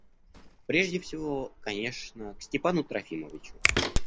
Прежде всего, конечно, к Степану Трофимовичу.